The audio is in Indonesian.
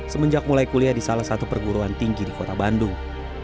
semenjak mulai kuliah di salah satu perguruan tinggi di kota bandung